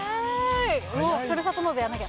もうふるさと納税やらなきゃ。